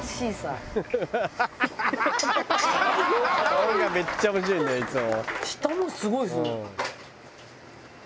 「顔がめっちゃ面白いんだよいつも」